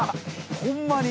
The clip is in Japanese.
ホンマに。